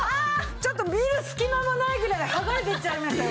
ちょっと見る隙間もないぐらい剥がれていっちゃいましたよ！